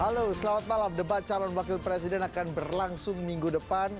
halo selamat malam debat calon wakil presiden akan berlangsung minggu depan